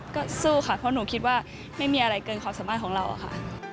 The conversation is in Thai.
ก็สู้ค่ะเพราะหนูคิดว่าไม่มีอะไรเกินความสามารถของเราอะค่ะ